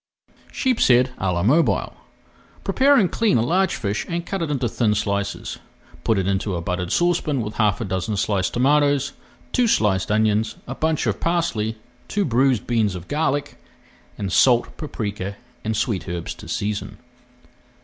SHEEPSHEAD À LA MOBILE Prepare and clean a large fish and cut it into thin slices. Put into a buttered saucepan with half a dozen sliced tomatoes, two sliced onions, a bunch of parsley, two bruised beans of garlic, and [Page 361] salt, paprika, and sweet herbs to season.